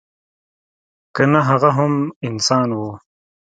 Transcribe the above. که نه هغه خو هم انسان وه.